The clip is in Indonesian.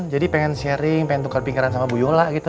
jadi pengen sharing pengen tukar pingkaran sama bu yola gitu